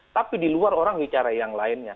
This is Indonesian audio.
tapi di luar orang bicara yang lainnya